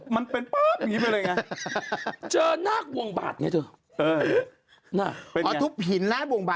เมื่อกี้เสียงเหิดแล้วนะ